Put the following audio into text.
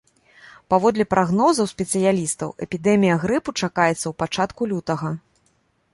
Паводле прагнозаў спецыялістаў, эпідэмія грыпу чакаецца ў пачатку лютага.